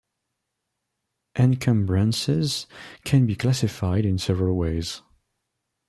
Encumbrances can be classified in several ways.